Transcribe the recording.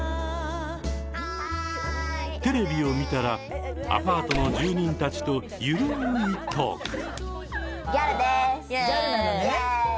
テレビを見たらアパートの住人たちと緩いトーク。